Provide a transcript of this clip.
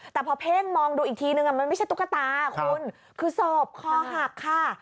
แต่พอเพ่งมองดูอีกทีนึงมันไม่ใช่ตุ๊กตาคุณคือศพคอหักค่ะ